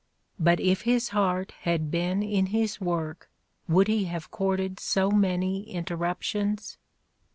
But if his heart had been in his work would he have courted so many interruptions